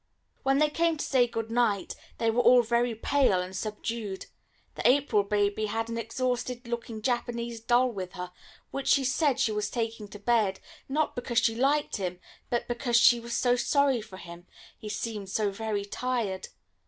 When they came to say good night, they were all very pale and subdued. The April baby had an exhausted looking Japanese doll with her, which she said she was taking to bed, not because she liked him, but because she was so sorry for him, he seemed so very tired.